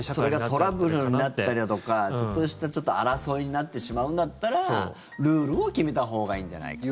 それがトラブルになったりだとかちょっとした争いになってしまうんだったらルールを決めたほうがいいんじゃないかと。